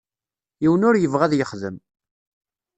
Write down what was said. Yiwen ur yebɣi ad yexdem.